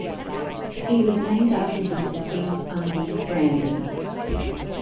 He was named after his deceased uncle, Brandon.